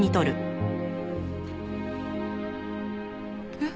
えっ？